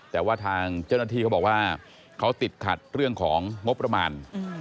แต่ว่าทางเจ้าหน้าที่เขาบอกว่าเขาติดขัดเรื่องของงบประมาณ